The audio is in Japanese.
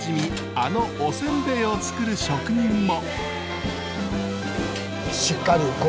あのおせんべいを作る職人も。